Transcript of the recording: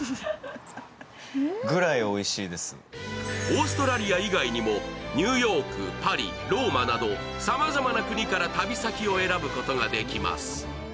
オーストラリア以外にもニューヨーク、パリ、ローマなどさまざまな国から旅先を選ぶことができます。